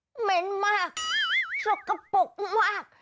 เหม็นมากสกปรกมาก